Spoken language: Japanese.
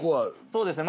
そうですね。